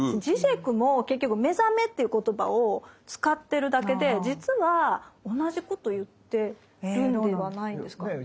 ジジェクも結局「目覚め」っていう言葉を使ってるだけで実は同じこと言ってるのではないんですか。